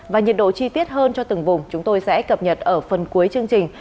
và nhiệt độ chi tiết hơn cho từng vùng chúng tôi sẽ cập nhật ở phần cuối chương trình